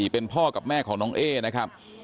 เป็นพ่อกับแม่ของน้องเอ๊นะครับ